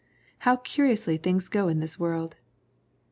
How curiously things go in this world!